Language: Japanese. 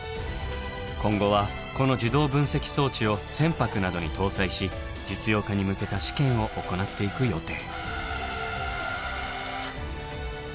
今後はこの自動分析装置を船舶などに搭載し実用化に向けた試験を行っていく予定。